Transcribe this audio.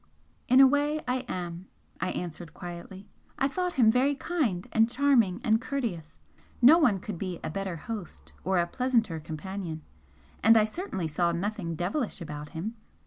"In a way I am," I answered, quietly "I thought him very kind and charming and courteous no one could be a better host or a pleasanter companion. And I certainly saw nothing 'devilish' about him.